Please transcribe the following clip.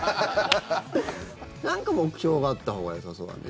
なんか目標があったほうがよさそうだね。